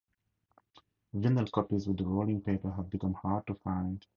Vinyl copies with the rolling paper have become hard to find.